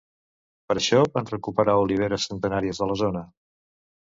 Per això, van recuperar oliveres centenàries de la zona.